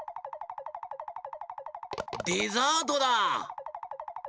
デザートだ！